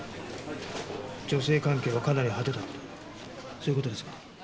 女性関係はかなり派手だったそういう事ですか。